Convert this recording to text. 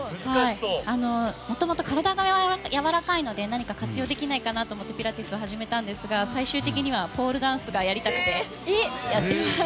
もともと体がやわらかいので何か活用できないかなと思ってピラティスを始めたんですが、最終的にはポールダンスがやりたくてやっています。